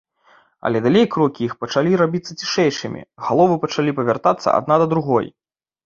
Але далей крокі іх пачалі рабіцца цішэйшымі, галовы пачалі павяртацца адна да другой.